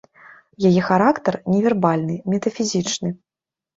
Яе характар невербальны, метафізічны.